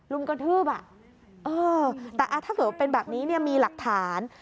รุมกระทืบอ่ะเออแต่ถ้าเกิดว่าเป็นแบบนี้เนี่ยมีหลักฐาน